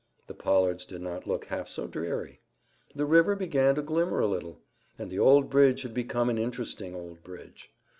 The pollards did not look half so dreary. The river began to glimmer a little; and the old bridge had become an interesting old bridge.